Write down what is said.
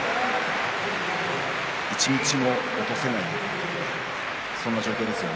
一日も落とせないそんな状況ですよね。